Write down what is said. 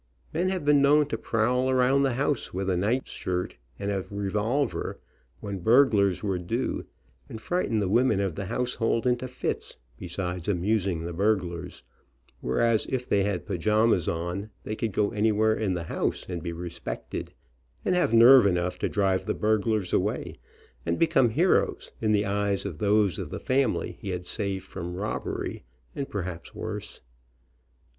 Men have been known to prowl around the house with a night shirt and a revolver, when burglars were due, and frighten the women of the household into fits, besides amusing the burglars, whereas if they THE DUDE AND HIS PAJAMAS 9 had pajamas on they could go anywhere in the house and be respected, and have nerve enough to drive the burglars away, and become heroes in the eyes of those of the family he had saved from robbery, and The dude in his pajamas stepped to the ground and lit a cigarette. perhaps worse.